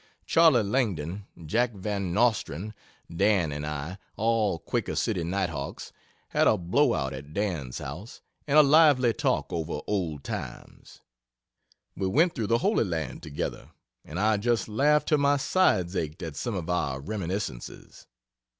Charley Langdon, Jack Van Nostrand, Dan and I, (all Quaker City night hawks,) had a blow out at Dan's' house and a lively talk over old times. We went through the Holy Land together, and I just laughed till my sides ached, at some of our reminiscences.